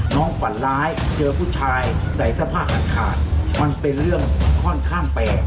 น้องฝันร้ายเจอผู้ชายใส่สภาพหัดมันเป็นเรื่องค่อนข้างแปลก